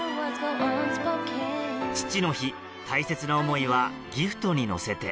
父の日大切は思いはギフトに乗せて